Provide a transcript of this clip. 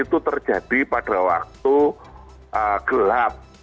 itu terjadi pada waktu gelap